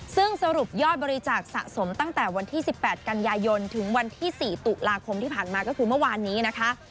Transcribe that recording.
ซึ่งสรุปยอดบริจาคสะสมตั้งแต่วันที่๑๘กันยายนถึงวันที่๔ตุลาคมที่ผ่านมาก็คือเมื่อวานนี้นะคะ